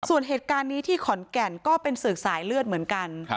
ส่วนเหตุการณ์นี้ที่ขอนแก่นก็เป็นศึกสายเลือดเหมือนกัน